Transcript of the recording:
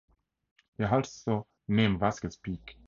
He also named Vasquez Peak.